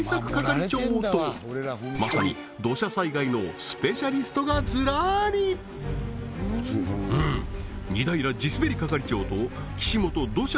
係長とまさに土砂災害のスペシャリストがずらりうん仁平地すべり係長と岸本土砂